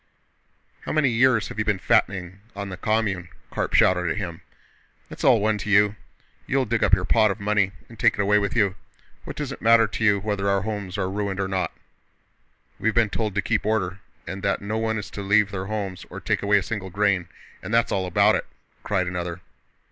"How many years have you been fattening on the commune?" Karp shouted at him. "It's all one to you! You'll dig up your pot of money and take it away with you.... What does it matter to you whether our homes are ruined or not?" "We've been told to keep order, and that no one is to leave their homes or take away a single grain, and that's all about it!" cried another.